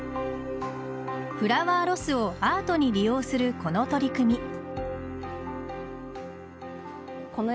フラワーロスをアートに利用するこの取り組み。